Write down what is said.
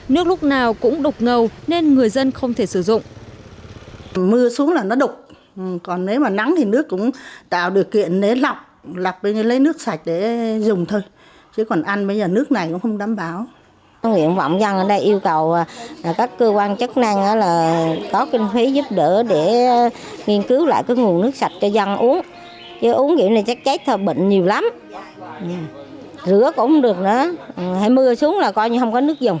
nước lúc nào cũng đục ngầu nên người dân không thể sử dụng